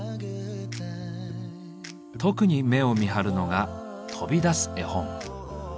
特に目を見張るのが「飛び出す絵本」。